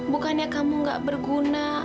bukannya kamu gak berguna